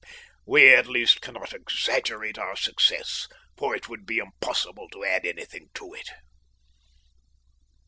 We at least cannot exaggerate our success, for it would be impossible to add anything to it.